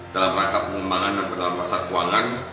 dalam rangka pengembangan dan pasar keuangan